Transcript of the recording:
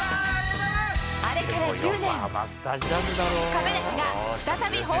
あれから１０年。